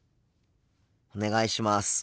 お願いします。